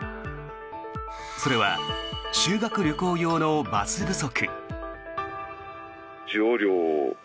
それは修学旅行用のバス不足。